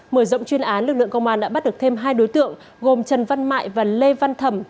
mở rộng chuyên án lực lượng công an đã bắt được thêm hai đối tượng gồm trần văn mại và lê văn thẩm